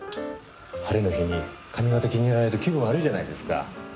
晴れの日に髪形気に入らないと気分悪いじゃないですか。